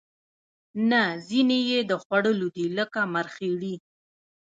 نه ځینې یې د خوړلو دي لکه مرخیړي